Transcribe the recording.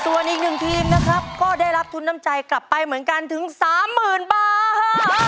ส่วนอีกหนึ่งทีมนะครับก็ได้รับทุนน้ำใจกลับไปเหมือนกันถึง๓๐๐๐บาท